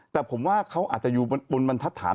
แต่ผมว่าเขาอาจจะอยู่บนบรรทัศน์